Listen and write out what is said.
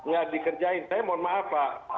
gak dikerjain saya mohon maaf pak